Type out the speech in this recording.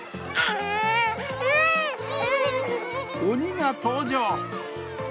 鬼が登場。